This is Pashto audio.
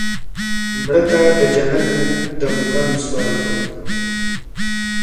مړه ته د جنت د مقام سوال کوو